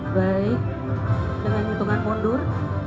baik dengan hitungan pondur